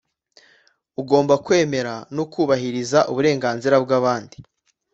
Ugomba kwemera no kubahiriza uburenganzira bw’abandi